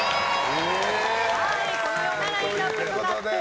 このようなラインアップとなっています。